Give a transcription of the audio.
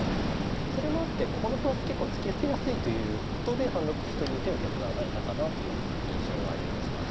それもあってここの歩は結構突き捨てやすいということで３六歩という手を決断されたかなという印象がありますかね。